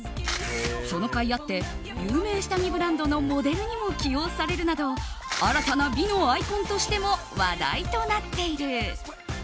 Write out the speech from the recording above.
そのかいあって有名下着ブランドのモデルにも起用されるなど新たな美のアイコンとしても話題となっている。